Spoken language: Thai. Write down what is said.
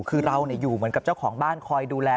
คือเราอยู่เหมือนกับเจ้าของบ้านคอยดูแล